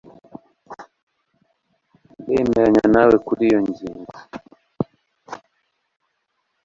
ndemeranya nawe kuri iyo ngingo